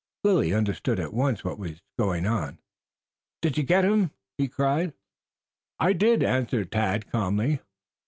Lilly understood at once what was going on. "Did you get him?" he cried. "I did," answered Tad calmly.